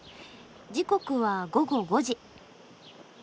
時刻は午後５時。